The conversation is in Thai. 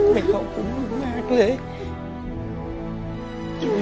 ขอบคุณมากเลย